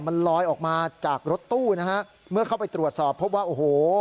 มันลอยออกมาจากรถตู้นะฮะเมื่อเข้าไปตรวจสอบพบว่าโอ้โห